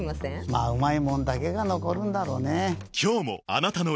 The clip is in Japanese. まぁうまいもんだけが残るんだろうねぇ。